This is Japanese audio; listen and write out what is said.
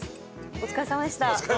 お疲れさまでした！